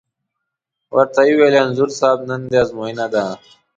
ور ته یې وویل: انځور صاحب نن دې ازموینه ده.